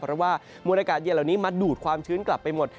เพราะว่ามวลอากาศเย็นเหล่านี้มาดูดความชื้นกลับไปหมด